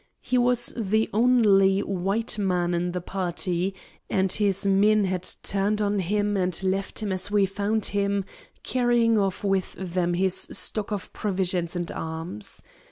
He was the only white man in the party, and his men had turned on him, and left him as we found him, carrying off with them his stock of provisions and arms.